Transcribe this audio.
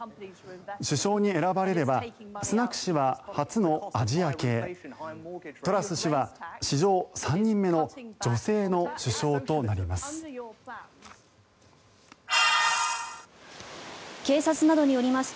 首相に選ばれればスナク氏は初のアジア系トラス氏は史上３人目の女性の首相となります。